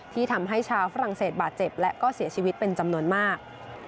ที่ทำให้ชาวฝรั่งเศสบาดเจ็บและก็เสียชีวิตเป็นจำนวนมาก